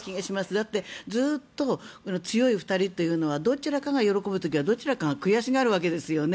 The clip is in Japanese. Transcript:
だって、ずっと強い２人というのはどちらかが喜ぶ時はどちらかが悔しがるわけですよね。